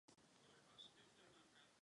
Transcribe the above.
Zůstal z ní pouze kostel svaté Kateřiny.